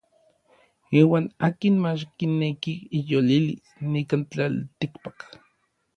Iuan akin mach kineki iyolilis nikan tlaltikpak.